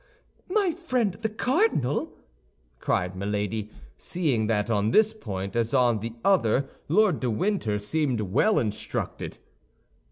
"My friend the cardinal!" cried Milady, seeing that on this point as on the other Lord de Winter seemed well instructed.